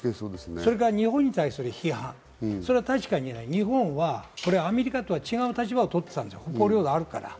それから日本に対する批判、確かに日本はアメリカとは違う立場を取っていた。